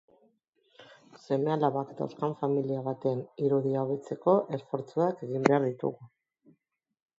Seme-alabak dauzkan familia baten irudia hobetzeko esfortzuak egin behar ditugu.